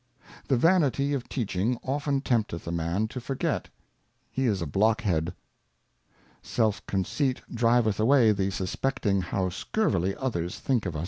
The Vanity of teaching often tempteth a Man to forget he is a Blockhead. Self conceit driveth away the suspecting how scurvily others think of us.